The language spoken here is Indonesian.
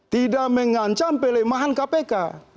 tidak mengancam pelemahan kpk